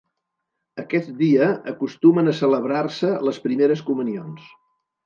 Aquest dia acostumen a celebrar-se les primeres comunions.